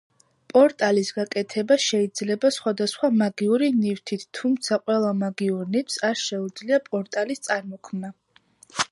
პორტალის გაკეთება შეიძლება სხვადასხვა მაგიური ნივთით, თუმცა ყველა მაგიურ ნივთს არ შეუძლია პორტალის წარმოქმნა.